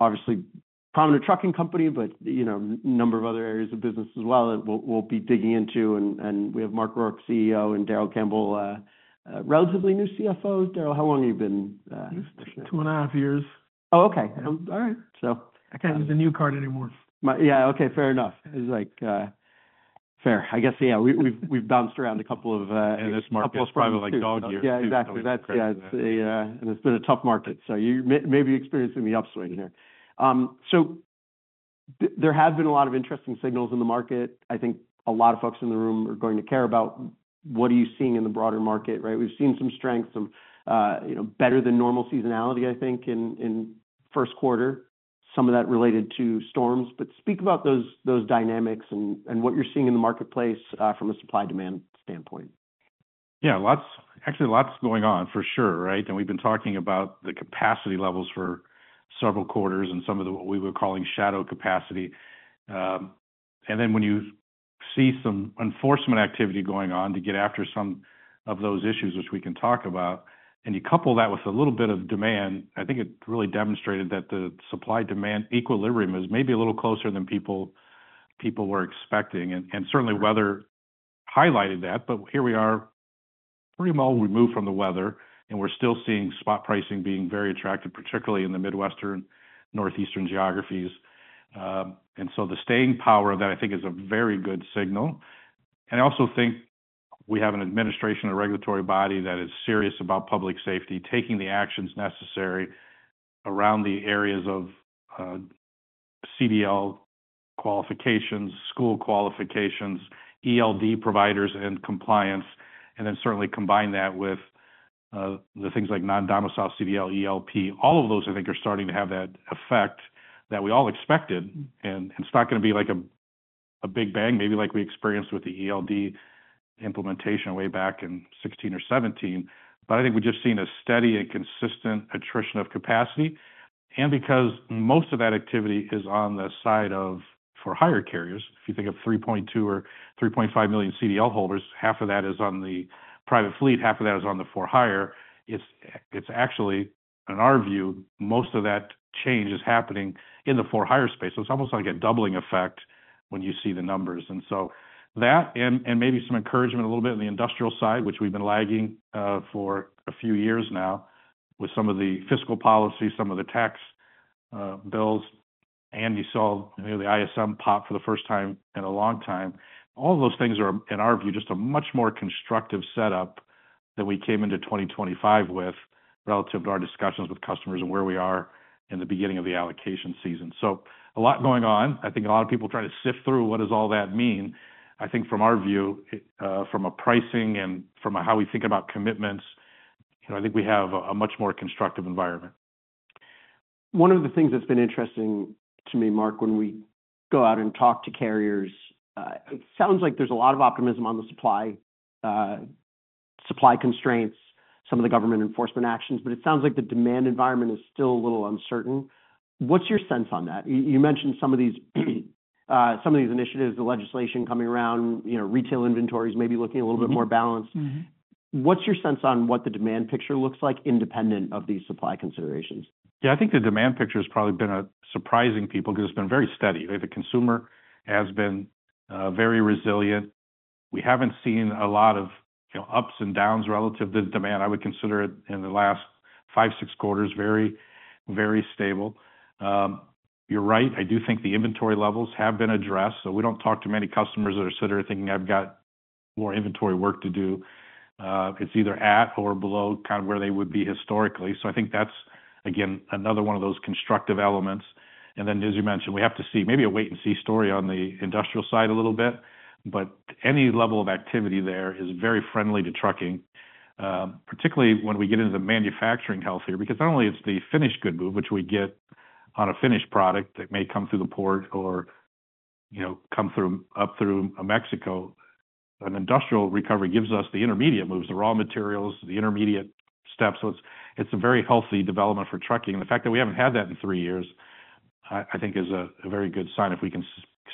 Obviously, prominent trucking company, but, you know, number of other areas of business as well that we'll be digging into. And we have Mark Rourke, CEO, and Darrell Campbell, relatively new CFO. Darrell, how long have you been at Schneider? 2.5 years. Oh, okay. All right. So- I can't use the new card anymore. Yeah. Okay, fair enough. It's like, fair. I guess, yeah, we've bounced around a couple of folks. In this market, it's probably like dog years. Yeah, exactly. That's, yeah, it's a... And it's been a tough market, so you maybe experiencing the upswing here. So there have been a lot of interesting signals in the market. I think a lot of folks in the room are going to care about what are you seeing in the broader market, right? We've seen some strength, some you know, better than normal seasonality, I think, in first quarter, some of that related to storms. But speak about those dynamics and what you're seeing in the marketplace from a supply-demand standpoint. Yeah, lots—actually, lots going on for sure, right? And we've been talking about the capacity levels for several quarters and some of the, what we were calling shadow capacity. And then when you see some enforcement activity going on to get after some of those issues, which we can talk about, and you couple that with a little bit of demand, I think it really demonstrated that the supply-demand equilibrium is maybe a little closer than people were expecting. And certainly, weather highlighted that. But here we are, pretty well removed from the weather, and we're still seeing spot pricing being very attractive, particularly in the Midwestern, Northeastern geographies. And so the staying power of that, I think, is a very good signal. I also think we have an administration and regulatory body that is serious about public safety, taking the actions necessary around the areas of CDL qualifications, school qualifications, ELD providers and compliance, and then certainly combine that with the things like non-domiciled CDL ELP. All of those, I think, are starting to have that effect that we all expected, and it's not gonna be like a big bang, maybe like we experienced with the ELD implementation way back in 2016 or 2017, but I think we've just seen a steady and consistent attrition of capacity. And because most of that activity is on the side of for-hire carriers, if you think of 3.2 or 3.5 million CDL holders, half of that is on the private fleet, half of that is on the for-hire. It's actually, in our view, most of that change is happening in the for-hire space. So it's almost like a doubling effect when you see the numbers. And so that, and, and maybe some encouragement, a little bit on the industrial side, which we've been lagging for a few years now, with some of the fiscal policy, some of the tax bills, and you saw the ISM pop for the first time in a long time. All those things are, in our view, just a much more constructive setup than we came into 2025 with, relative to our discussions with customers and where we are in the beginning of the allocation season. So a lot going on. I think a lot of people trying to sift through what does all that mean. I think from our view, from a pricing and from how we think about commitments, you know, I think we have a much more constructive environment. One of the things that's been interesting to me, Mark, when we go out and talk to carriers, it sounds like there's a lot of optimism on the supply, supply constraints, some of the government enforcement actions, but it sounds like the demand environment is still a little uncertain. What's your sense on that? You mentioned some of these, some of these initiatives, the legislation coming around, you know, retail inventories maybe looking a little bit more balanced. Mm-hmm. What's your sense on what the demand picture looks like independent of these supply considerations? Yeah, I think the demand picture has probably been surprising people because it's been very steady. The consumer has been very resilient. We haven't seen a lot of, you know, ups and downs relative to the demand. I would consider it, in the last 5, 6 quarters, very, very stable. You're right, I do think the inventory levels have been addressed, we don't talk to many customers that are sit there thinking, "I've got more inventory work to do." It's either at or below kind of where they would be historically. I think that's, again, another one of those constructive elements. As you mentioned, we have to see maybe a wait-and-see story on the industrial side a little bit, but any level of activity there is very friendly to trucking, particularly when we get into the manufacturing health here. Because not only it's the finished good move, which we get on a finished product that may come through the port or, you know, come through up through Mexico, an industrial recovery gives us the intermediate moves, the raw materials, the intermediate steps. So it's a very healthy development for trucking. The fact that we haven't had that in three years, I think is a very good sign if we can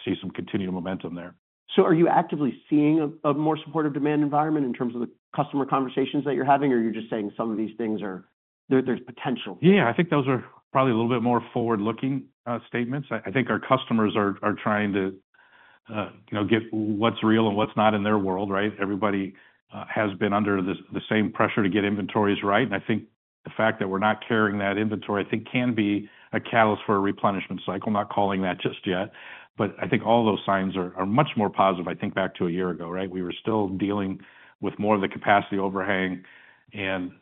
see some continued momentum there. So are you actively seeing a more supportive demand environment in terms of the customer conversations that you're having, or you're just saying some of these things are... There's potential? Yeah, I think those are probably a little bit more forward-looking statements. I think our customers are trying to, you know, get what's real and what's not in their world, right? Everybody has been under the same pressure to get inventories right. And I think the fact that we're not carrying that inventory, I think, can be a catalyst for a replenishment cycle. Not calling that just yet, but I think all those signs are much more positive. I think back to a year ago, right? We were still dealing with more of the capacity overhang, and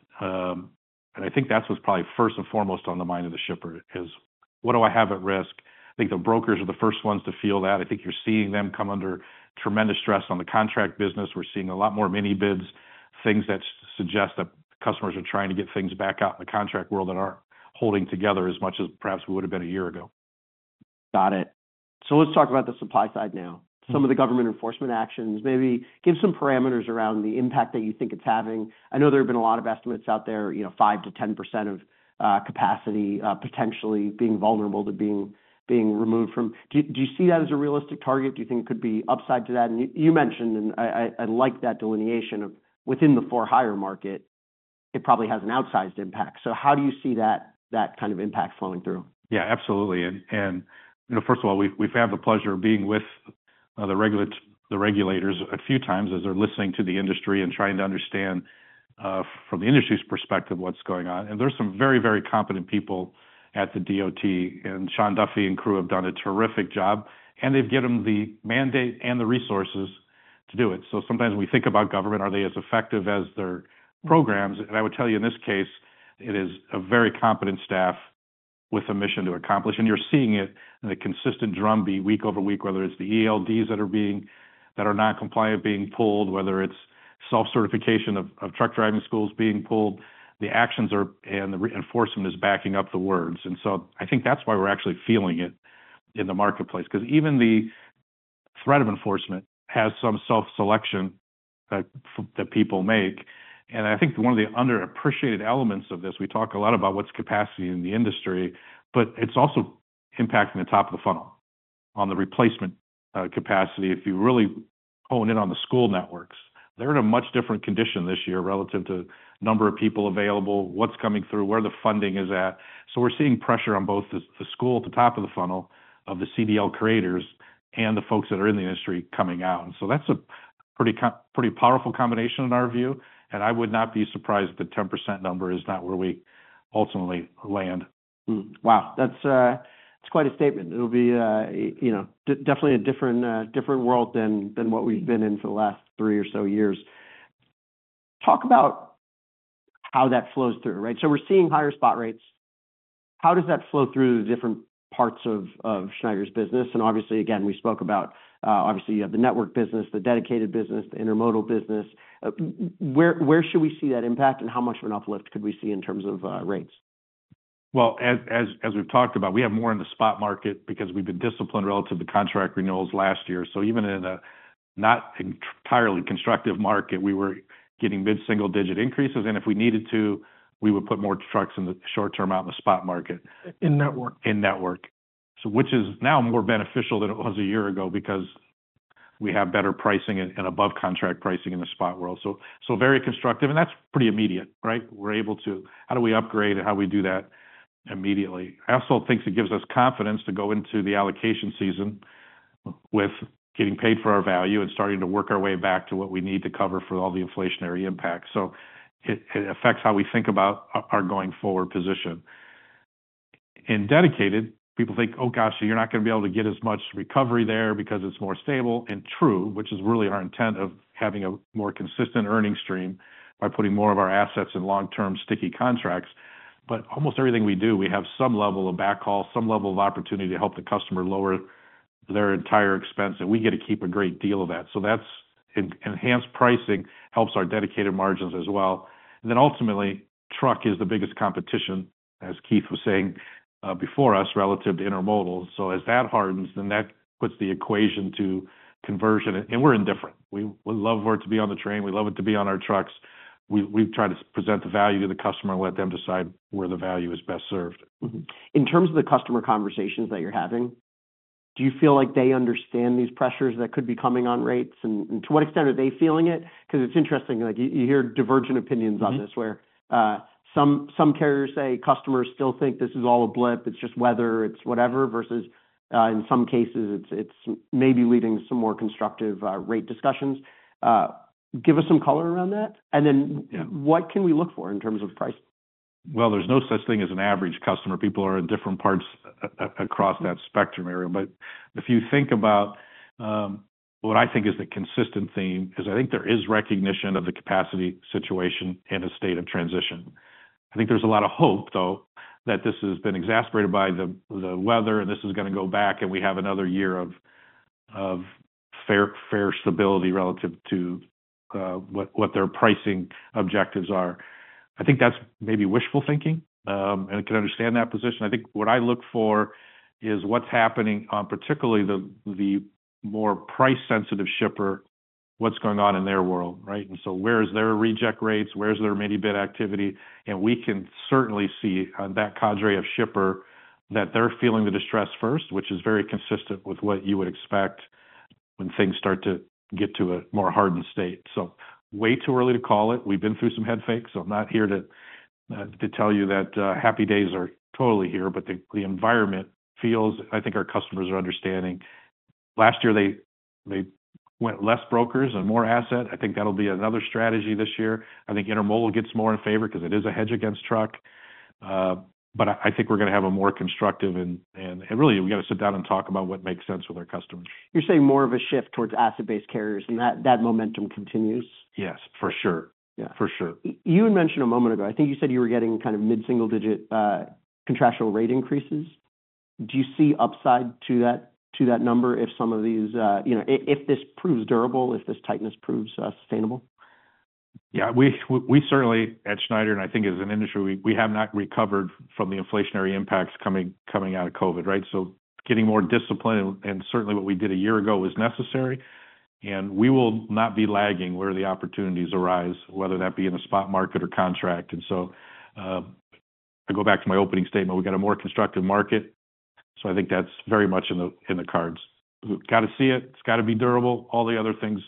I think that's what's probably first and foremost on the mind of the shipper is: What do I have at risk? I think the brokers are the first ones to feel that. I think you're seeing them come under tremendous stress on the contract business. We're seeing a lot more mini bids, things that suggest that customers are trying to get things back out in the contract world and are holding together as much as perhaps we would have been a year ago. Got it. So let's talk about the supply side now. Some of the government enforcement actions. Maybe give some parameters around the impact that you think it's having. I know there have been a lot of estimates out there, you know, 5%-10% of capacity potentially being vulnerable to being removed from, do you see that as a realistic target? Do you think it could be upside to that? And you mentioned, and I like that delineation of within the for-hire market, tt probably has an outsized impact. So how do you see that kind of impact flowing through? Yeah, absolutely. And you know, first of all, we've had the pleasure of being with the regulators a few times as they're listening to the industry and trying to understand from the industry's perspective what's going on. And there's some very, very competent people at the DOT, and Sean Duffy and crew have done a terrific job, and they've given them the mandate and the resources to do it. So sometimes we think about government, are they as effective as their programs? And I would tell you, in this case, it is a very competent staff with a mission to accomplish, and you're seeing it in a consistent drum beat week over week, whether it's the ELDs that are being, that are non-compliant, being pulled, whether it's self-certification of, of truck driving schools being pulled, the actions are, and the reinforcement is backing up the words. And so I think that's why we're actually feeling it in the marketplace, 'cause even the threat of enforcement has some self-selection that, that people make. And I think one of the underappreciated elements of this, we talk a lot about what's capacity in the industry, but it's also impacting the top of the funnel on the replacement capacity. If you really hone in on the school networks, they're in a much different condition this year relative to number of people available, what's coming through, where the funding is at. So we're seeing pressure on both the school at the top of the funnel of the CDL creators and the folks that are in the industry coming out. And so that's a pretty powerful combination in our view, and I would not be surprised if the 10% number is not where we ultimately land. Hmm. Wow, that's quite a statement. It'll be, you know, definitely a different world than what we've been in for the last three or so years. Talk about how that flows through, right? So we're seeing higher spot rates. How does that flow through the different parts of Schneider's business? And obviously, again, we spoke about, obviously, you have the Network business, the Dedicated business, the intermodal business. Where should we see that impact, and how much of an uplift could we see in terms of rates? Well, as we've talked about, we have more in the spot market because we've been disciplined relative to contract renewals last year. So even in a not entirely constructive market, we were getting mid-single-digit increases, and if we needed to, we would put more trucks in the short term out in the spot market. In Network? In Network. So which is now more beneficial than it was a year ago because we have better pricing and above contract pricing in the spot world. So very constructive, and that's pretty immediate, right? We're able to... How do we upgrade and how we do that immediately. I also think it gives us confidence to go into the allocation season with getting paid for our value and starting to work our way back to what we need to cover for all the inflationary impacts. So it affects how we think about our going forward position. In Dedicated, people think, "Oh, gosh, so you're not going to be able to get as much recovery there because it's more stable," and true, which is really our intent of having a more consistent earning stream by putting more of our assets in long-term sticky contracts. But almost everything we do, we have some level of backhaul, some level of opportunity to help the customer lower their entire expense, and we get to keep a great deal of that. So that's enhanced pricing helps our dedicated margins as well. And then ultimately, truck is the biggest competition, as Keith was saying, before us, relative to intermodal. So as that hardens, then that puts the equation to conversion, and we're indifferent. We would love for it to be on the train, we'd love it to be on our trucks. We try to present the value to the customer and let them decide where the value is best served. Mm-hmm. In terms of the customer conversations that you're having, do you feel like they understand these pressures that could be coming on rates, and to what extent are they feeling it? Because it's interesting, like, you hear divergent opinions on this, where some carriers say customers still think this is all a blip, it's just weather, it's whatever, versus in some cases, it's maybe leading to some more constructive rate discussions. Give us some color around that, and then what can we look for in terms of price? Well, there's no such thing as an average customer. People are in different parts across that spectrum area. If you think about what I think is the consistent theme, I think there is recognition of the capacity situation and a state of transition. I think there's a lot of hope, though, that this has been exacerbated by the weather, and this is going to go back, and we have another year of fair, fair stability relative to what their pricing objectives are. I think that's maybe wishful thinking, and I can understand that position. I think what I look for is what's happening on particularly the more price-sensitive shipper, what's going on in their world, right? Where is their reject rates, where is their mini bid activity? We can certainly see on that cadre of shipper, that they're feeling the distress first, which is very consistent with what you would expect when things start to get to a more hardened state. So way too early to call it. We've been through some head fakes, so I'm not here to tell you that happy days are totally here, but the environment feels. I think our customers are understanding. Last year, they went less brokers and more asset. I think that'll be another strategy this year. I think intermodal gets more in favor because it is a hedge against truck. But I think we're going to have a more constructive and really, we got to sit down and talk about what makes sense with our customers. You're saying more of a shift towards asset-based carriers, and that momentum continues? Yes, for sure. Yeah. For sure. You had mentioned a moment ago, I think you said you were getting mid-single digit contractual rate increases. Do you see upside to that, to that number if some of these, you know, if, if this proves durable, if this tightness proves sustainable? Yeah, we certainly at Schneider, and I think as an industry, we have not recovered from the inflationary impacts coming out of COVID, right? So getting more disciplined, and certainly what we did a year ago was necessary, and we will not be lagging where the opportunities arise, whether that be in the spot market or contract. And so, I go back to my opening statement, we've got a more constructive market, so I think that's very much in the cards. We've got to see it, it's got to be durable. All the other things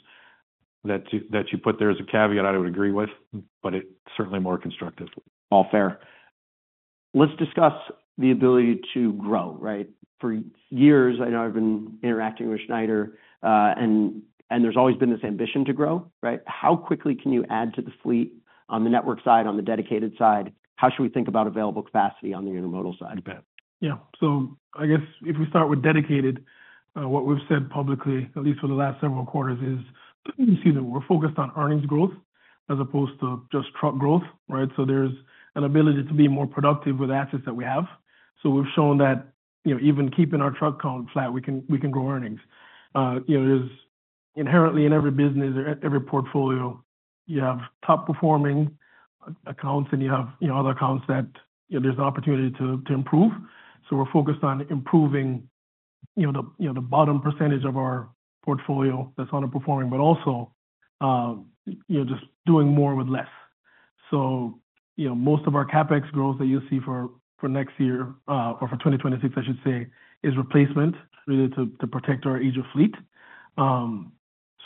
that you put there as a caveat, I would agree with, but it's certainly more constructive. All fair. Let's discuss the ability to grow, right? For years, I know I've been interacting with Schneider, and there's always been this ambition to grow, right? How quickly can you add to the fleet on the Network side, on the Dedicated side? How should we think about available capacity on the intermodal side? Yeah. So I guess if we start with Dedicated, what we've said publicly, at least for the last several quarters, is you see that we're focused on earnings growth as opposed to just truck growth, right? So there's an ability to be more productive with assets that we have. So we've shown that, you know, even keeping our truck count flat, we can grow earnings. You know, there's inherently in every business or every portfolio, you have top performing accounts, and you have, you know, other accounts that there's an opportunity to improve. So we're focused on improving, you know, the bottom percentage of our portfolio that's underperforming, but also, you know, just doing more with less. So, you know, most of our CapEx growth that you'll see for next year, or for 2026, I should say, is replacement, really, to protect our age of fleet.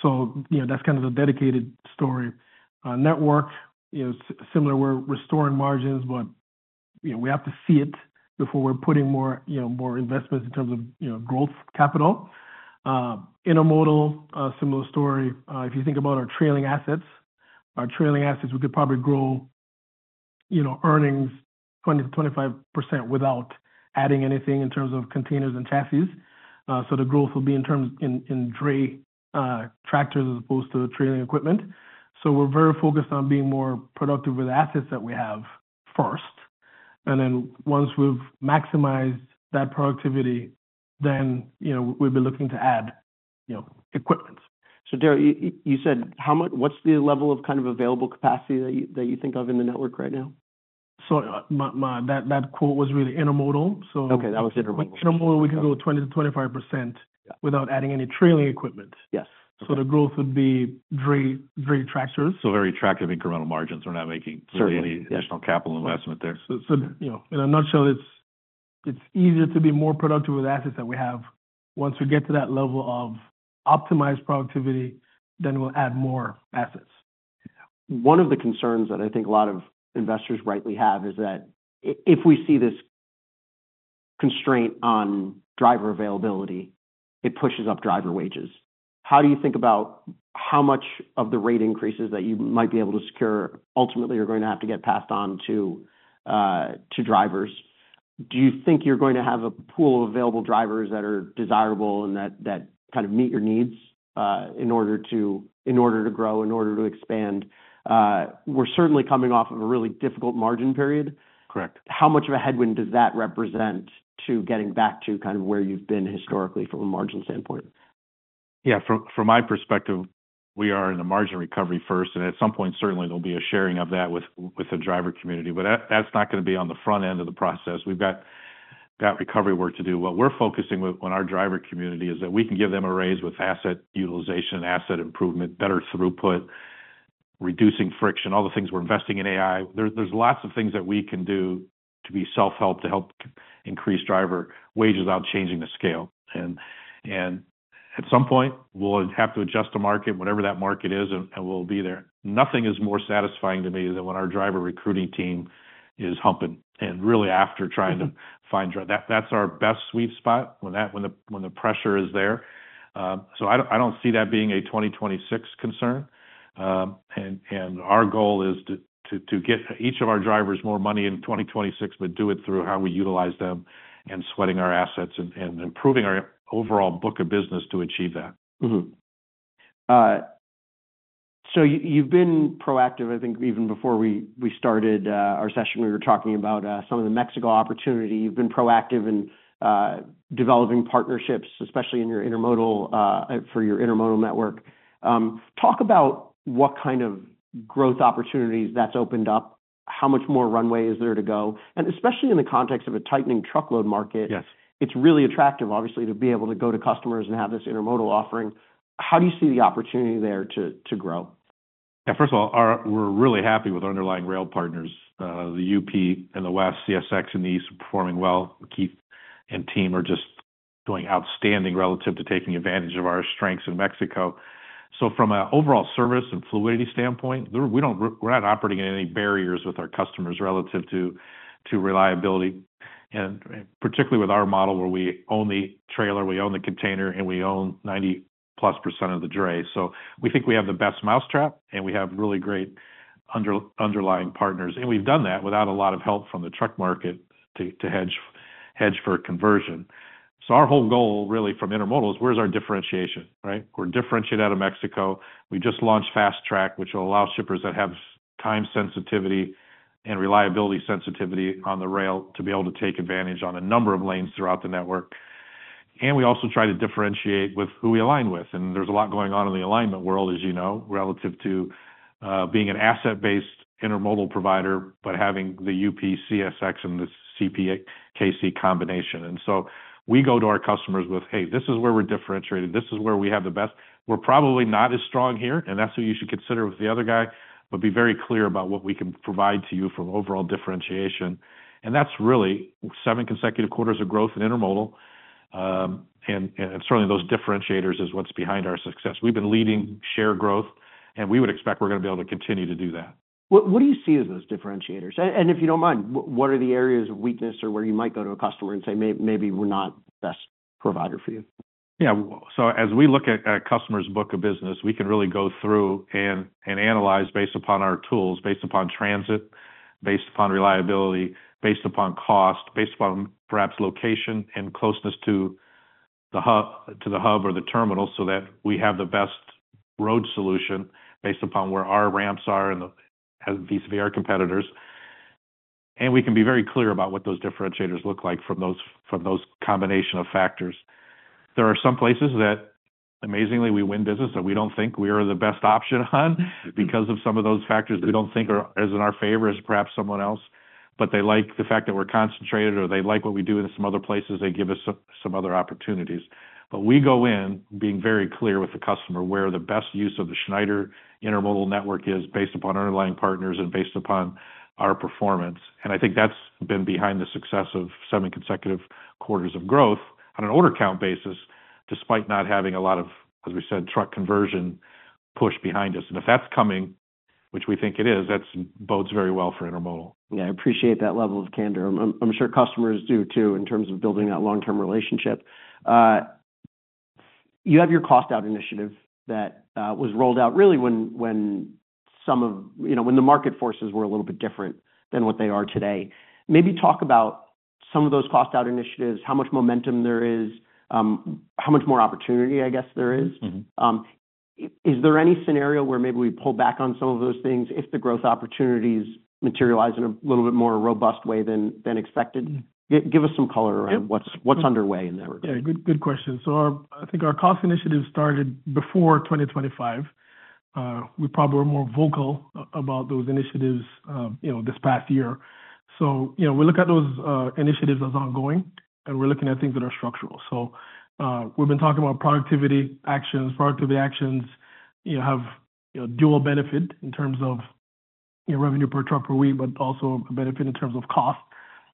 So, you know, that's kind of the Dedicated story. Network, you know, similar, we're restoring margins, but, you know, we have to see it before we're putting more, you know, more investments in terms of, you know, growth capital. Intermodal, a similar story. If you think about our trailing assets, our trailing assets, we could probably grow, you know, earnings 20%-25% without adding anything in terms of containers and chassis. So the growth will be in terms in dray tractors, as opposed to trailing equipment. We're very focused on being more productive with assets that we have first, and then once we've maximized that productivity, then, you know, we'll be looking to add, you know, equipment. So Darrell, you said, what's the level of kind of available capacity that you think of in the Network right now? That quote was really intermodal, so- Okay, that was intermodal. Intermodal, we can go 20%-25%, without adding any trailing equipment. Yes. The growth would be dray, dray tractors. So very attractive incremental margins. We're not making any additional capital investment there. So, you know, in a nutshell, it's easier to be more productive with assets that we have. Once we get to that level of optimized productivity, then we'll add more assets. One of the concerns that I think a lot of investors rightly have is that if we see this constraint on driver availability, it pushes up driver wages. How do you think about how much of the rate increases that you might be able to secure, ultimately, you're going to have to get passed on to, to drivers? Do you think you're going to have a pool of available drivers that are desirable and that, that kind of meet your needs, in order to, in order to grow, in order to expand? We're certainly coming off of a really difficult margin period. Correct. How much of a headwind does that represent to getting back to kind of where you've been historically from a margin standpoint? Yeah, from my perspective, we are in a margin recovery first, and at some point, certainly there'll be a sharing of that with the driver community, but that's not going to be on the front end of the process. We've got recovery work to do. What we're focusing with, on our driver community, is that we can give them a raise with asset utilization, asset improvement, better throughput, reducing friction, all the things. We're investing in AI. There's lots of things that we can do to be self-help, to help increase driver wages without changing the scale. And at some point, we'll have to adjust the market, whatever that market is, and we'll be there. Nothing is more satisfying to me than when our driver recruiting team is humping, and really after trying to find. That's our best sweet spot, when the pressure is there. So I don't see that being a 2026 concern. And our goal is to get each of our drivers more money in 2026, but do it through how we utilize them and sweating our assets and improving our overall book of business to achieve that. Mm-hmm. So you, you've been proactive. I think even before we, we started, our session, we were talking about some of the Mexico opportunity. You've been proactive in developing partnerships, especially in your intermodal for your intermodal network. Talk about what kind of growth opportunities that's opened up. How much more runway is there to go? And especially in the context of a tightening truckload market, it's really attractive, obviously, to be able to go to customers and have this intermodal offering. How do you see the opportunity there to, to grow? Yeah, first of all, we're really happy with our underlying rail partners. The UP in the West, CSX in the East, are performing well. Keith and team are just doing outstanding relative to taking advantage of our strengths in Mexico. So from an overall service and fluidity standpoint, we're not operating at any barriers with our customers relative to reliability, and particularly with our model, where we own the trailer, we own the container, and we own 90%+ of the dray. So we think we have the best mousetrap, and we have really great underlying partners, and we've done that without a lot of help from the truck market to hedge for conversion. So our whole goal, really, from intermodal, is where's our differentiation, right? We're differentiated out of Mexico. We just launched Fast Track, which will allow shippers that have time sensitivity and reliability sensitivity on the rail to be able to take advantage on a number of lanes throughout the network. We also try to differentiate with who we align with. There's a lot going on in the alignment world, as you know, relative to being an asset-based intermodal provider, but having the UP, CSX, and the CPKC combination. So we go to our customers with, "Hey, this is where we're differentiated. This is where we have the best. We're probably not as strong here, and that's what you should consider with the other guy, but be very clear about what we can provide to you from overall differentiation." That's really seven consecutive quarters of growth in intermodal, certainly those differentiators is what's behind our success. We've been leading share growth, and we would expect we're going to be able to continue to do that. What, what do you see as those differentiators? And, and if you don't mind, what are the areas of weakness or where you might go to a customer and say, "Maybe, maybe we're not the best provider for you? Yeah. So as we look at a customer's book of business, we can really go through and analyze based upon our tools, based upon transit, based upon reliability, based upon cost, based upon perhaps location and closeness to the hub or the terminal, so that we have the best road solution based upon where our ramps are and the vis-à-vis our competitors. And we can be very clear about what those differentiators look like from those combination of factors. There are some places that, amazingly, we win business that we don't think we are the best option on because of some of those factors that we don't think are as in our favor as perhaps someone else. But they like the fact that we're concentrated, or they like what we do in some other places; they give us some other opportunities. But we go in being very clear with the customer where the best use of the Schneider intermodal network is based upon our underlying partners and based upon our performance. And I think that's been behind the success of seven consecutive quarters of growth on an order count basis, despite not having a lot of, as we said, truck conversion push behind us. And if that's coming, which we think it is, that bodes very well for intermodal. Yeah, I appreciate that level of candor. I'm, I'm sure customers do too, in terms of building that long-term relationship. You have your cost-out initiative that was rolled out really when, when some of... You know, when the market forces were a little bit different than what they are today. Maybe talk about some of those cost-out initiatives, how much momentum there is, how much more opportunity I guess there is. Mm-hmm. Is there any scenario where maybe we pull back on some of those things if the growth opportunities materialize in a little bit more robust way than expected? Give us some color around what's underway in that regard. Yeah, good, good question. So I think our cost initiative started before 2025. We probably were more vocal about those initiatives, you know, this past year. So, you know, we look at those initiatives as ongoing, and we're looking at things that are structural. So, we've been talking about productivity actions. Productivity actions, you know, have, you know, dual benefit in terms of, you know, revenue per truck per week, but also a benefit in terms of cost.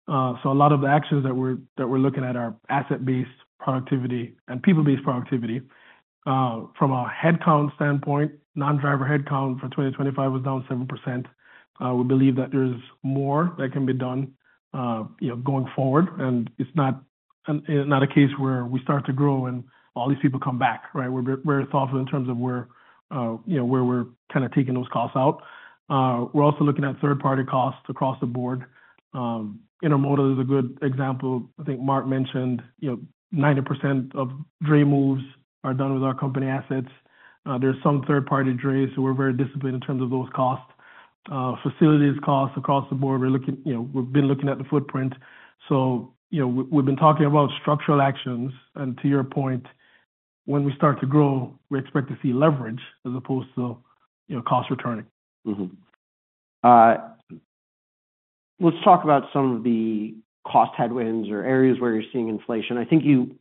So a lot of the actions that we're looking at are asset-based productivity and people-based productivity. From a headcount standpoint, non-driver headcount for 2025 was down 7%. We believe that there's more that can be done, you know, going forward, and it's not a case where we start to grow and all these people come back, right? We're thoughtful in terms of where, you know, where we're kind of taking those costs out. We're also looking at third-party costs across the board. Intermodal is a good example. I think Mark mentioned, you know, 90% of dray moves are done with our company assets. There's some third-party drays, so we're very disciplined in terms of those costs. Facilities costs across the board, we're looking. You know, we've been looking at the footprint. So, you know, we've been talking about structural actions, and to your point, when we start to grow, we expect to see leverage as opposed to, you know, cost returning. Mm-hmm. Let's talk about some of the cost headwinds or areas where you're seeing inflation. I think you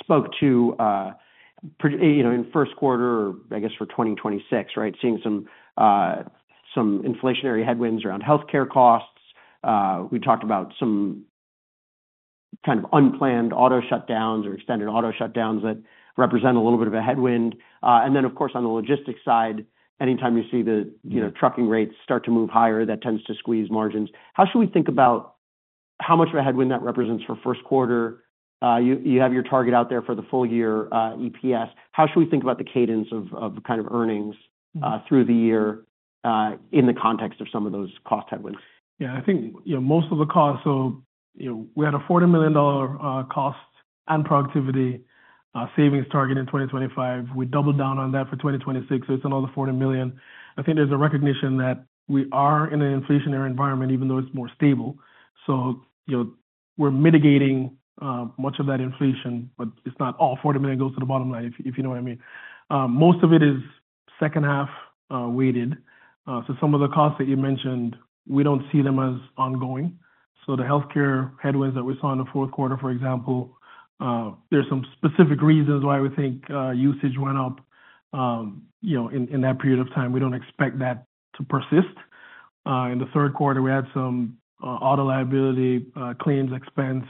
spoke to, you know, in the first quarter or I guess for 2026, right? Seeing some some inflationary headwinds around healthcare costs. We talked about some kind of unplanned auto shutdowns or extended auto shutdowns that represent a little bit of a headwind. And then, of course, on the logistics side, anytime you see the, you know, trucking rates start to move higher, that tends to squeeze margins. How should we think about how much of a headwind that represents for first quarter? You have your target out there for the full year, EPS. How should we think about the cadence of kind of earnings through the year in the context of some of those cost headwinds? Yeah, I think, you know, most of the costs, so, you know, we had a $40 million cost and productivity savings target in 2025. We doubled down on that for 2026, so it's another $40 million. I think there's a recognition that we are in an inflationary environment, even though it's more stable. So, you know, we're mitigating much of that inflation, but it's not all. $40 million goes to the bottom line, if, if you know what I mean. Most of it is second half weighted. So some of the costs that you mentioned, we don't see them as ongoing. So the healthcare headwinds that we saw in the fourth quarter, for example, there's some specific reasons why we think usage went up, you know, in, in that period of time. We don't expect that to persist. In the third quarter, we had some auto liability claims expense.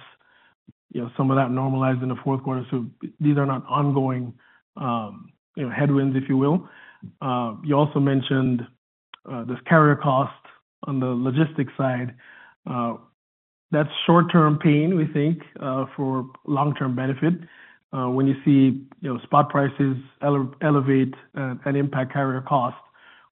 You know, some of that normalized in the fourth quarter. So these are not ongoing, you know, headwinds, if you will. You also mentioned this carrier cost on the logistics side. That's short-term pain, we think, for long-term benefit. When you see, you know, spot prices elevate and impact carrier cost,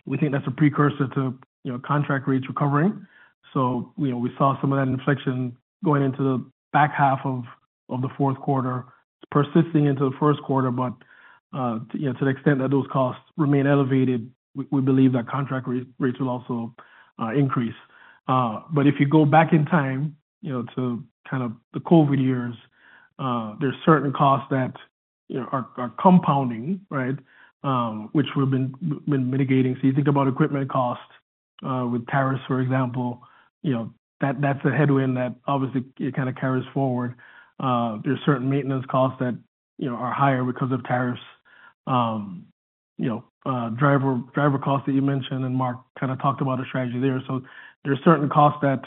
we think that's a precursor to, you know, contract rates recovering. So, you know, we saw some of that inflection going into the back half of the fourth quarter persisting into the first quarter. But, you know, to the extent that those costs remain elevated, we believe that contract rates will also increase. If you go back in time, you know, to kind of the COVID years, there are certain costs that, you know, are compounding, right? Which we've been mitigating. You think about equipment costs, with tariffs, for example, that's a headwind that obviously it kind of carries forward. There are certain maintenance costs that, you know, are higher because of tariffs. We, you know, driver, driver costs that you mentioned, and Mark kind of talked about a strategy there. There are certain costs that,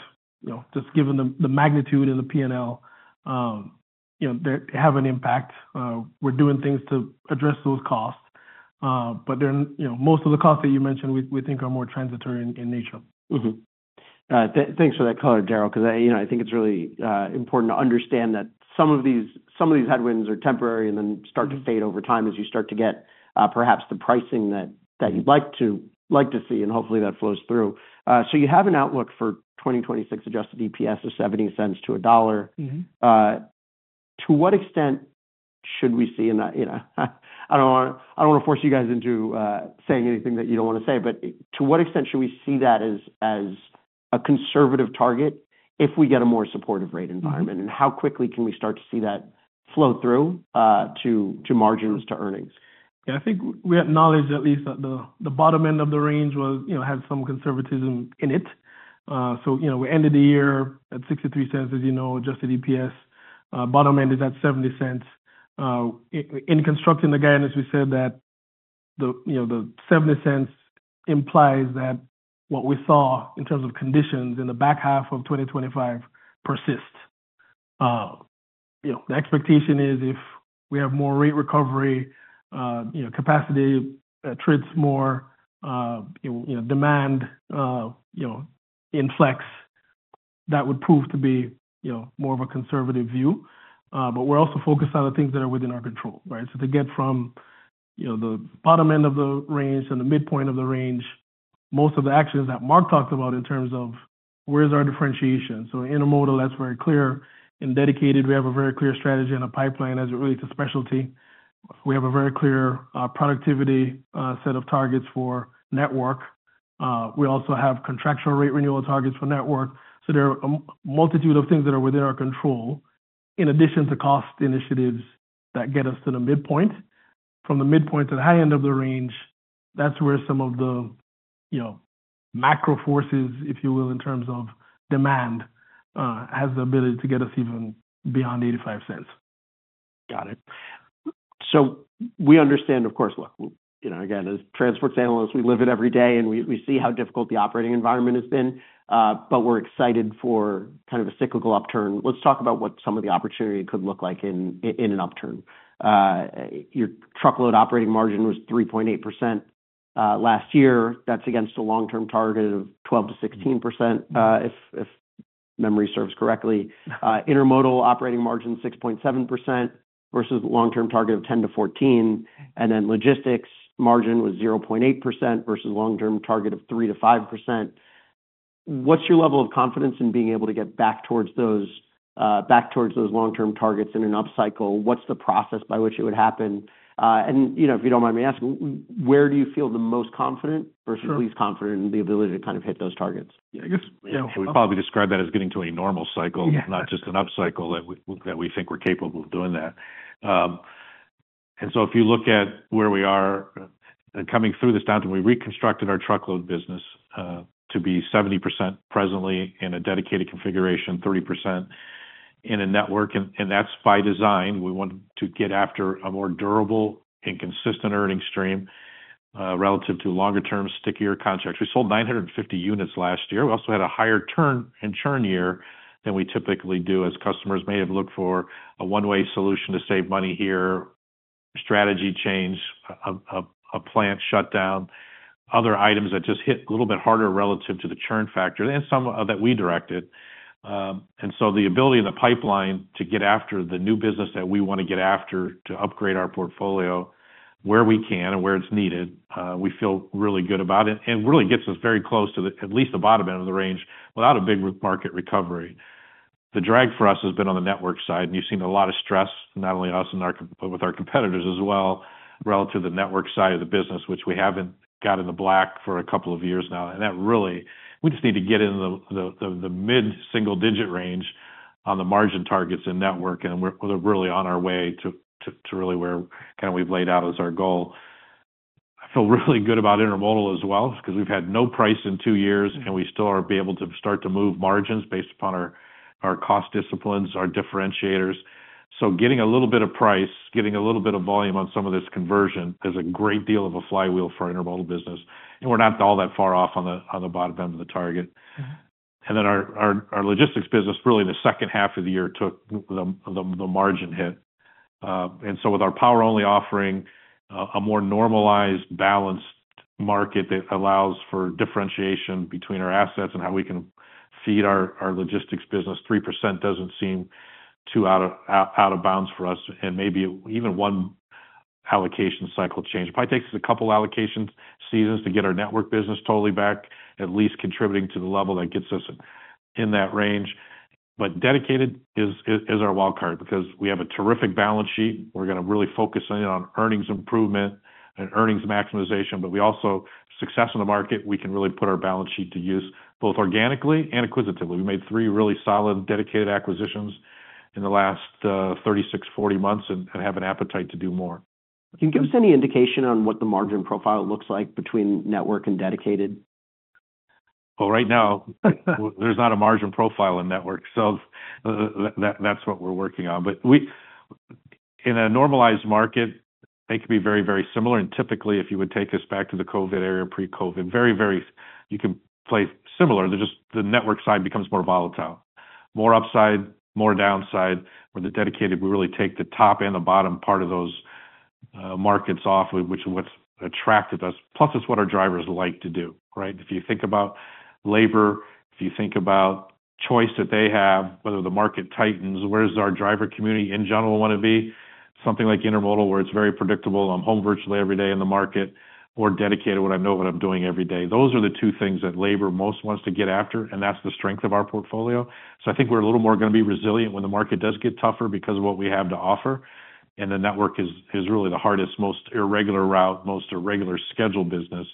you know, just given the magnitude of the PNL, you know, they have an impact. We're doing things to address those costs, but then, you know, most of the costs that you mentioned, we think are more transitory in nature. Mm-hmm. Thanks for that color, Darrell, because, you know, I think it's really important to understand that some of these, some of these headwinds are temporary and then start to fade over time as you start to get, perhaps the pricing that, that you'd like to, like to see, and hopefully that flows through. So you have an outlook for 2026 adjusted EPS of $0.70-$1.00. Mm-hmm. To what extent should we see in that, you know, I don't want, I don't want to force you guys into saying anything that you don't want to say, but to what extent should we see that as, as a conservative target if we get a more supportive rate environment? Mm-hmm. How quickly can we start to see that flow through to margins to earnings? Yeah, I think we acknowledge at least that the bottom end of the range will, you know, have some conservatism in it. So, you know, we ended the year at $0.63, as you know, adjusted EPS. Bottom end is at $0.70. In constructing the guidance, we said that the, you know, the $0.70 implies that what we saw in terms of conditions in the back half of 2025 persist. You know, the expectation is if we have more rate recovery, you know, capacity treats more, you know, demand inflects, that would prove to be, you know, more of a conservative view. But we're also focused on the things that are within our control, right? So to get from, you know, the bottom end of the range and the midpoint of the range, most of the actions that Mark talked about in terms of where's our differentiation. So intermodal, that's very clear. In Dedicated, we have a very clear strategy and a pipeline as it relates to specialty. We have a very clear, productivity, set of targets for Network. We also have contractual rate renewal targets for Network. So there are a multitude of things that are within our control, in addition to cost initiatives that get us to the midpoint. From the midpoint to the high end of the range, that's where some of the, you know, macro forces, if you will, in terms of demand, has the ability to get us even beyond $0.85. Got it. We understand, of course, look, you know, again, as transports analysts, we live it every day, and we, we see how difficult the operating environment has been, but we're excited for kind of a cyclical upturn. Let's talk about what some of the opportunity could look like in, in an upturn. Your truckload operating margin was 3.8% last year. That's against a long-term target of 12%-16%, if memory serves correctly. Intermodal operating margin, 6.7% versus long-term target of 10%-14%, and then logistics margin was 0.8% versus long-term target of 3%-5%. What's your level of confidence in being able to get back towards those, back towards those long-term targets in an upcycle? What's the process by which it would happen? And, you know, if you don't mind me asking, where do you feel the most confident versus least confident in the ability to kind of hit those targets? Yeah, I guess, you know- We probably describe that as getting to a normal cycle- Yeah. Not just an upcycle that we think we're capable of doing that. And so if you look at where we are coming through this downtime, we reconstructed our truckload business to be 70% presently in a dedicated configuration, 30% in a network, and that's by design. We want to get after a more durable and consistent earning stream relative to longer-term, stickier contracts. We sold 950 units last year. We also had a higher turn and churn year than we typically do, as customers may have looked for a one-way solution to save money here, strategy change, a plant shutdown, other items that just hit a little bit harder relative to the churn factor and some that we directed. And so the ability in the pipeline to get after the new business that we want to get after to upgrade our portfolio where we can and where it's needed, we feel really good about it, and really gets us very close to the... at least the bottom end of the range without a big market recovery. The drag for us has been on the Network side, and you've seen a lot of stress, not only us and our competitors as well, relative to the Network side of the business, which we haven't got in the black for a couple of years now. That really, we just need to get into the mid-single-digit range on the margin targets and Network, and we're really on our way to really where kind of we've laid out as our goal. I feel really good about intermodal as well, because we've had no price in two years, and we still are able to start to move margins based upon our, our cost disciplines, our differentiators. So getting a little bit of price, getting a little bit of volume on some of this conversion is a great deal of a flywheel for our intermodal business, and we're not all that far off on the, on the bottom end of the target. Mm-hmm. And then our logistics business, really the second half of the year, took the margin hit. And so with our Power Only offering, a more normalized, balanced market that allows for differentiation between our assets and how we can feed our logistics business, 3% doesn't seem too out of bounds for us, and maybe even one allocation cycle change. Probably takes us a couple allocation seasons to get our Network business totally back, at least contributing to the level that gets us in that range. But Dedicated is our wild card because we have a terrific balance sheet. We're going to really focus in on earnings improvement and earnings maximization, but we also success in the market. We can really put our balance sheet to use, both organically and acquisitively. We made three really solid, dedicated acquisitions in the last 36-40 months and have an appetite to do more. Can you give us any indication on what the margin profile looks like between Network and Dedicated? Well, right now, there's not a margin profile in Network, so that, that's what we're working on. But we in a normalized market, they could be very, very similar, and typically, if you would take us back to the COVID era, pre-COVID, very, very you can play similar. They're just, the Network side becomes more volatile, more upside, more downside. With the Dedicated, we really take the top and the bottom part of those markets off, which is what's attracted us, plus it's what our drivers like to do, right? If you think about labor, if you think about choice that they have, whether the market tightens, where does our driver community in general want to be? Something like Intermodal, where it's very predictable, I'm home virtually every day in the market, or Dedicated, when I know what I'm doing every day. Those are the two things that labor most wants to get after, and that's the strength of our portfolio. So I think we're a little more going to be resilient when the market does get tougher because of what we have to offer, and the Network is really the hardest, most irregular route, most irregular schedule business.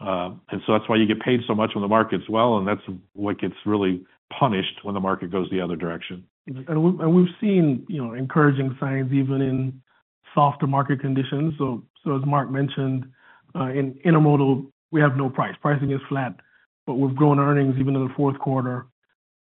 And so that's why you get paid so much when the market's well, and that's what gets really punished when the market goes the other direction. And we've seen, you know, encouraging signs, even in softer market conditions. So as Mark mentioned, in Intermodal, we have no price. Pricing is flat, but we've grown earnings, even in the fourth quarter.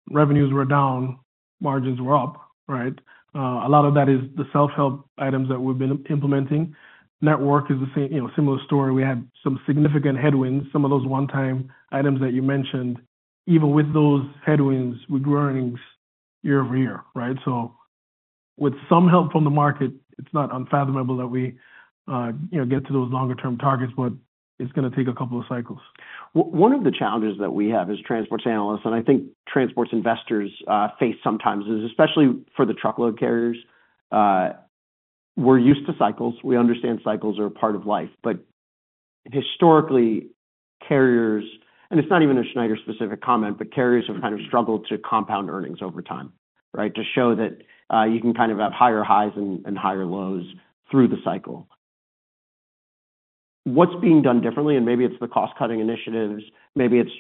Revenues were down, margins were up, right? A lot of that is the self-help items that we've been implementing. Network is the same, you know, similar story. We had some significant headwinds, some of those one-time items that you mentioned. Even with those headwinds, we grew earnings year over year, right? So with some help from the market, it's not unfathomable that we, you know, get to those longer term targets, but it's gonna take a couple of cycles. One of the challenges that we have as transport analysts, and I think transport investors, face sometimes, is especially for the truckload carriers. We're used to cycles. We understand cycles are a part of life. But historically, carriers, and it's not even a Schneider-specific comment, but carriers have kind of struggled to compound earnings over time, right? To show that, you can kind of have higher highs and higher lows through the cycle. What's being done differently, and maybe it's the cost-cutting initiatives, maybe it's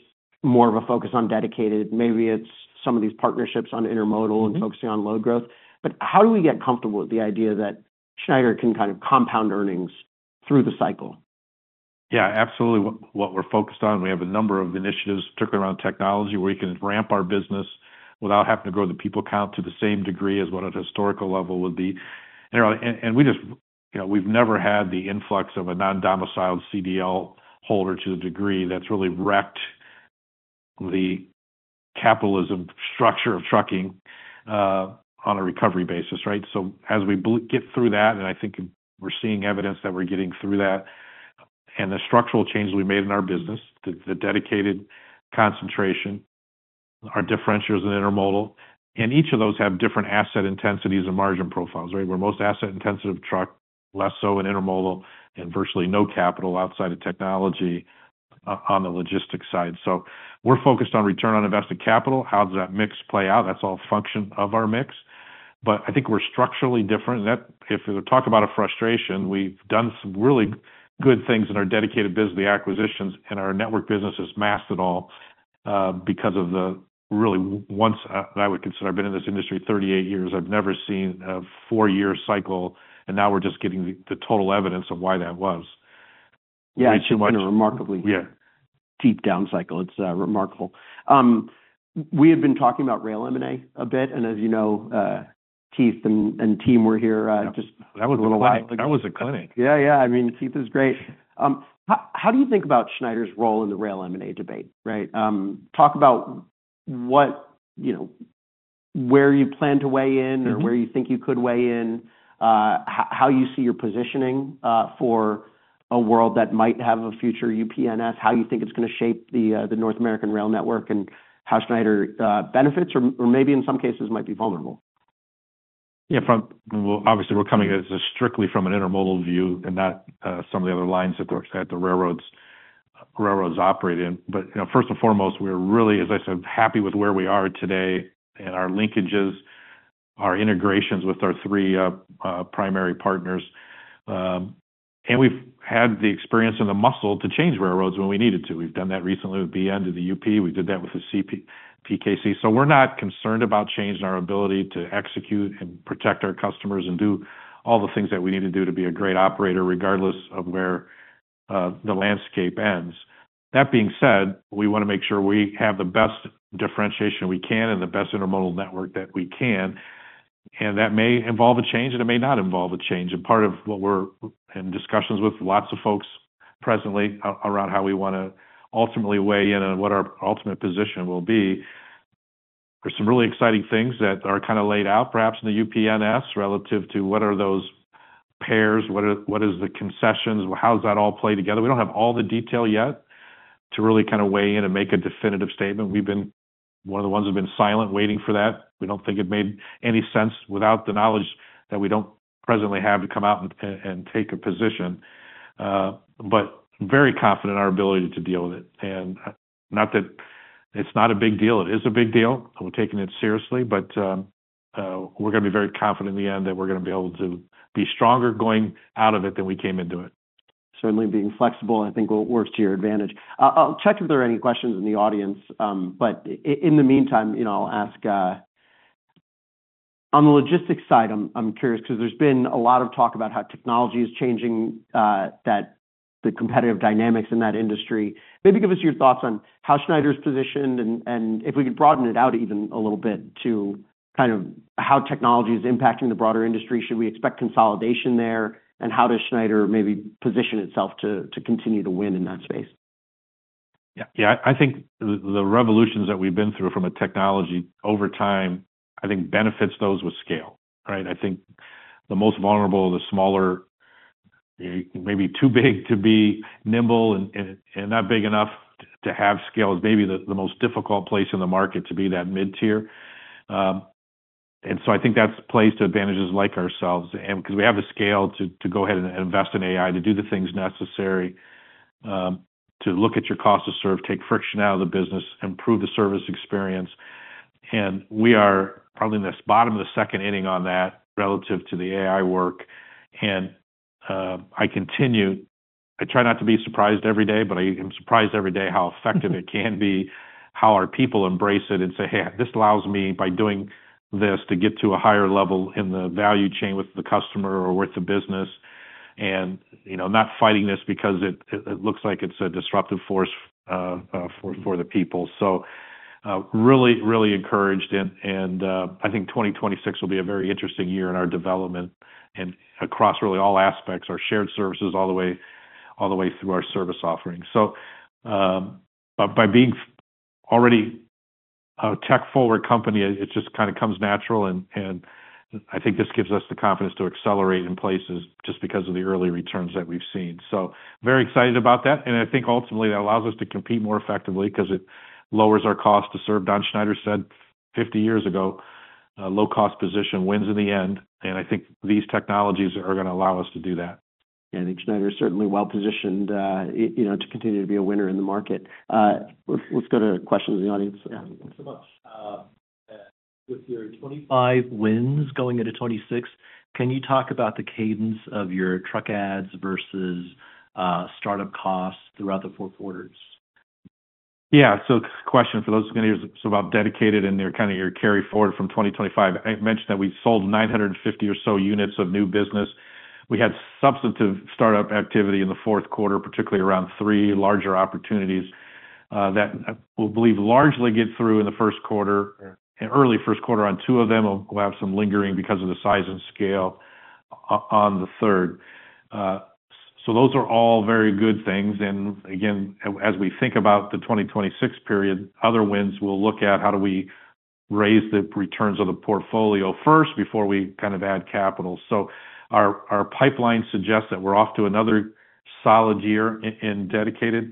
more of a focus on Dedicated, maybe it's some of these partnerships on Intermodal and focusing on load growth, but how do we get comfortable with the idea that Schneider can kind of compound earnings through the cycle? Yeah, absolutely. What we're focused on, we have a number of initiatives, particularly around technology, where we can ramp our business without having to grow the people count to the same degree as what a historical level would be. And we just, you know, we've never had the influx of a non-domiciled CDL holder to the degree that's really wrecked the capital structure of trucking on a recovery basis, right? So as we get through that, and I think we're seeing evidence that we're getting through that, and the structural changes we made in our business, the Dedicated concentration, our differentiators in intermodal, and each of those have different asset intensities and margin profiles, right? Where most asset intensive truck, less so in intermodal, and virtually no capital outside of technology on the logistics side. So we're focused on return on invested capital. How does that mix play out? That's all a function of our mix, but I think we're structurally different. That, if you talk about a frustration, we've done some really good things in our Dedicated business, the acquisitions, and our Network business is masked it all, because of the really once that I would consider... I've been in this industry 38 years, I've never seen a four-year cycle, and now we're just getting the total evidence of why that was. Yeah, it's been a remarkably deep down cycle. It's remarkable. We have been talking about rail M&A a bit, and as you know, Keith and team were here, just- That was a little while. That was a clinic. Yeah, yeah. I mean, Keith is great. How do you think about Schneider's role in the rail M&A debate, right? Talk about what, you know, where you plan to weigh in or where you think you could weigh in, how you see your positioning for a world that might have a future UP/NS, how you think it's going to shape the North American rail network, and how Schneider benefits or maybe in some cases, might be vulnerable. Yeah, from, well, obviously, we're coming at this strictly from an intermodal view and not some of the other lines that the railroads operate in. But, you know, first and foremost, we're really, as I said, happy with where we are today and our linkages, our integrations with our three primary partners. And we've had the experience and the muscle to change railroads when we needed to. We've done that recently with BN to the UP. We did that with the CPKC. So we're not concerned about changing our ability to execute and protect our customers and do all the things that we need to do to be a great operator, regardless of where the landscape ends. That being said, we want to make sure we have the best differentiation we can and the best intermodal network that we can, and that may involve a change, it may not involve a change. Part of what we're in discussions with lots of folks presently around how we want to ultimately weigh in on what our ultimate position will be. There are some really exciting things that are kind of laid out, perhaps in the UP/NS, relative to what are those pairs, what are, what is the concessions, how does that all play together? We don't have all the detail yet to really kind of weigh in and make a definitive statement. We've been one of the ones who've been silent, waiting for that. We don't think it made any sense without the knowledge that we don't presently have to come out and take a position. But very confident in our ability to deal with it. Not that it's not a big deal, it is a big deal, and we're taking it seriously, but we're going to be very confident in the end that we're going to be able to be stronger going out of it than we came into it. Certainly, being flexible, I think, works to your advantage. I'll check if there are any questions in the audience, but in the meantime, you know, I'll ask. On the logistics side, I'm curious, because there's been a lot of talk about how technology is changing that the competitive dynamics in that industry. Maybe give us your thoughts on how Schneider is positioned, and if we could broaden it out even a little bit to kind of how technology is impacting the broader industry. Should we expect consolidation there? And how does Schneider maybe position itself to continue to win in that space? Yeah. Yeah, I think the revolutions that we've been through from a technology over time, I think benefits those with scale, right? I think the most vulnerable, the smaller, maybe too big to be nimble and not big enough to have scale, is maybe the most difficult place in the market to be that mid-tier. And so I think that's a place to advantages like ourselves, and because we have the scale to go ahead and invest in AI, to do the things necessary, to look at your cost to serve, take friction out of the business, improve the service experience. And we are probably in the bottom of the second inning on that relative to the AI work. I try not to be surprised every day, but I am surprised every day how effective it can be, how our people embrace it and say, "Hey, this allows me, by doing this, to get to a higher level in the value chain with the customer or with the business," and, you know, not fighting this because it looks like it's a disruptive force for the people. So, really, really encouraged. I think 2026 will be a very interesting year in our development and across really all aspects, our shared services, all the way through our service offerings. So, by being already a tech-forward company, it just kinda comes natural, and I think this gives us the confidence to accelerate in places just because of the early returns that we've seen. So very excited about that, and I think ultimately, that allows us to compete more effectively because it lowers our cost to serve. Don Schneider said 50 years ago, "Low-cost position wins in the end," and I think these technologies are gonna allow us to do that. Schneider is certainly well-positioned, you know, to continue to be a winner in the market. Let's go to questions in the audience. Yeah. Thanks so much. With your 2025 wins going into 2026, can you talk about the cadence of your truck adds versus startup costs throughout the 4 quarters? Yeah. So question for those who are gonna hear, it's about Dedicated and they're kind of your carryforward from 2025. I mentioned that we sold 950 or so units of new business. We had substantive startup activity in the fourth quarter, particularly around 3 larger opportunities that I will believe largely get through in the first quarter. In early first quarter, on 2 of them, we'll have some lingering because of the size and scale on the third. So those are all very good things, and again, as we think about the 2026 period, other wins, we'll look at how do we raise the returns on the portfolio first before we kind of add capital. So our pipeline suggests that we're off to another solid year in Dedicated,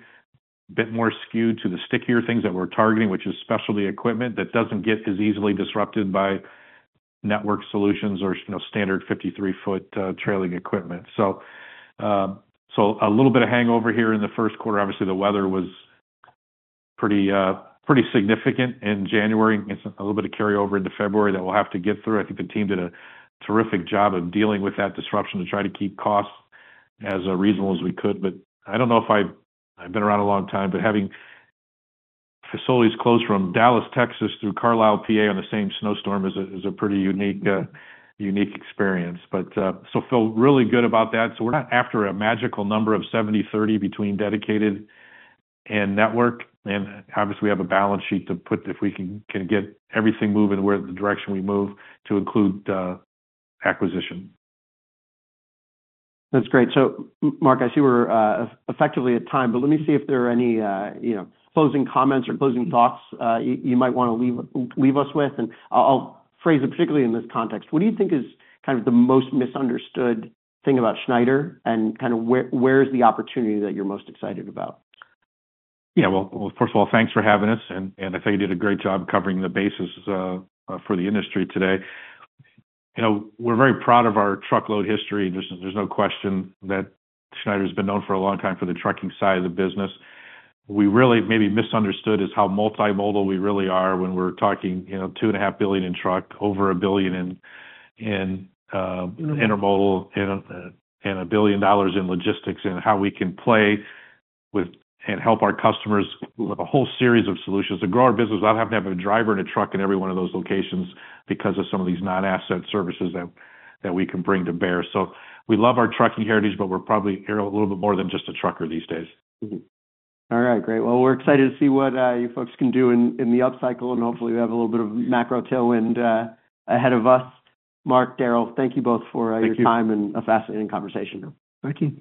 a bit more skewed to the stickier things that we're targeting, which is specialty equipment that doesn't get as easily disrupted by network solutions or, you know, standard 53-foot trailing equipment. So a little bit of hangover here in the first quarter. Obviously, the weather was pretty significant in January. It's a little bit of carryover into February that we'll have to get through. I think the team did a terrific job of dealing with that disruption to try to keep costs as reasonable as we could. But I don't know if I've been around a long time, but having facilities closed from Dallas, Texas, through Carlisle, PA, on the same snowstorm is a pretty unique experience. But, so feel really good about that. So we're not after a magical number of 70/30 between Dedicated and Network, and obviously, we have a balance sheet to put if we can get everything moving where the direction we move to include acquisition. That's great. So, Mark, I see we're effectively at time, but let me see if there are any, you know, closing comments or closing thoughts, you might want to leave us with. And I'll phrase it particularly in this context: What do you think is kind of the most misunderstood thing about Schneider, and kind of where is the opportunity that you're most excited about? Yeah, well, first of all, thanks for having us, and I think you did a great job covering the basics for the industry today. You know, we're very proud of our truckload history, and there's no question that Schneider has been known for a long time for the trucking side of the business. We really maybe misunderstood is how multimodal we really are when we're talking, you know, $2.5 billion in truck, over $1 billion in intermodal, and $1 billion in logistics, and how we can play with and help our customers with a whole series of solutions to grow our business without having to have a driver and a truck in every one of those locations because of some of these non-asset services that we can bring to bear. So we love our trucking heritage, but we're probably here a little bit more than just a trucker these days. Mm-hmm. All right, great. Well, we're excited to see what you folks can do in the upcycle, and hopefully, we have a little bit of macro tailwind ahead of us. Mark, Darrell, thank you both for- Thank you. your time and a fascinating conversation. Thank you.